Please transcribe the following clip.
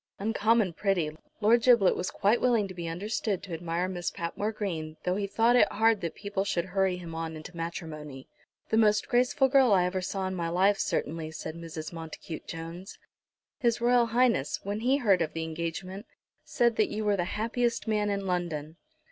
"Uncommon pretty." Lord Giblet was quite willing to be understood to admire Miss Patmore Green, though he thought it hard that people should hurry him on into matrimony. "The most graceful girl I ever saw in my life, certainly," said Mrs. Montacute Jones. "His Royal Highness, when he heard of the engagement, said that you were the happiest man in London."